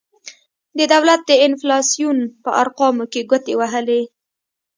د دولت د انفلاسیون په ارقامو کې ګوتې وهلي.